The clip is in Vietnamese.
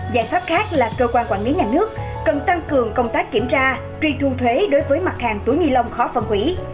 giải pháp khác là cơ quan quản lý nhà nước cần tăng cường công tác kiểm tra truy thu thuế đối với mặt hàng túi ni lông khó phân hủy